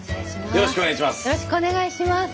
よろしくお願いします。